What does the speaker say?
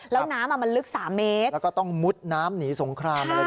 แล้วน้ำมันลึก๓เมตรแล้วก็ต้องมุดน้ำหนีสงคราม